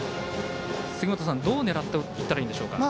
どう狙っていったらいいんでしょうか。